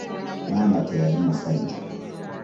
Maama teyali musanyufu.